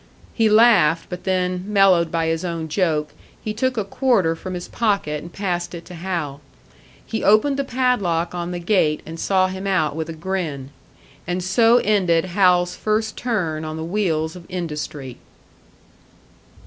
He laughed; but then, mellowed by his own joke, he took a quarter from his pocket and passed it to Hal. He opened the padlock on the gate and saw him out with a grin; and so ended Hal's first turn on the wheels of industry.